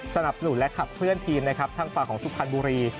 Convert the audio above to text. สนับสนุนและขับเคลื่อนทีนทางฝั่งของซุภัณฑ์บุรี